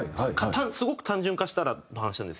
すごく単純化したらの話なんですけど。